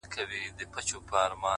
o ځمه گريوان پر سمندر باندي څيرم،